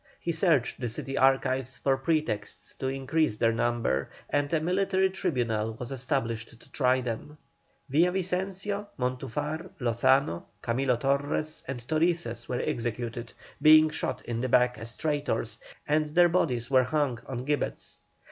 He searched the city archives for pretexts to increase their number, and a military tribunal was established to try them. Villavicencio, Montufar, Lozano, Camilo Torres, and Torices were executed, being shot in the back as traitors, and their bodies were hung on gibbets.